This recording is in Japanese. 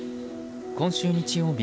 今週日曜日